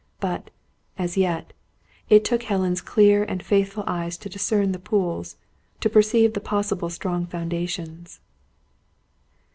But, as yet, it took Helen's clear and faithful eyes to discern the pools; to perceive the possible strong foundations.